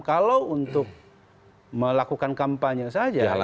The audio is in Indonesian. kalau untuk melakukan kampanye